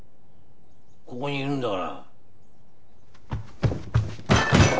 ここにいるんだから。